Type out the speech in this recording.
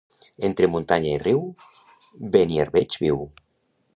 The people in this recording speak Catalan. Entre muntanya i riu, Beniarbeig viu.